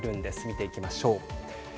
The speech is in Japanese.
見ていきましょう。